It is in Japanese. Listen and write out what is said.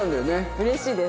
うれしいです。